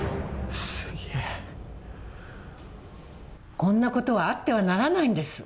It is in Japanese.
こんな事はあってはならないんです！